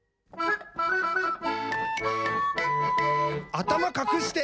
「あたまかくして！」